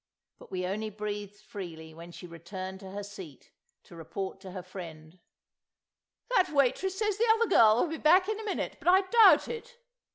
But we only breathed freely when she returned to her seat to report to her friend— "That waitress says the other girl will be back in a minute; but I doubt it.